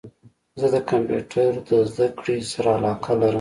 زه د کمپیوټرد زده کړي سره علاقه لرم